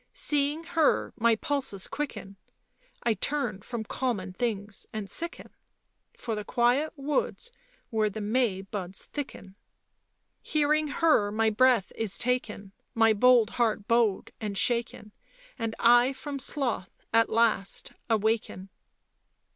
" Seeing her my pulses quicken, I turn from common things and sicken, For the quiet woods where the May buds thicken. " Hearing her my breath is taken, My bold heart bowed and shaken, And I from sloth at last awaken."